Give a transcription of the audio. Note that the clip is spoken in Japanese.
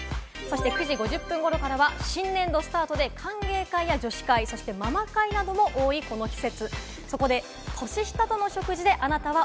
９時５０分頃からは新年度スタートで歓迎会や女子会、ママ会なども多いこの季節。